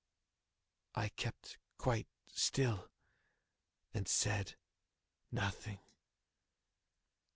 I kept quite still and said nothing.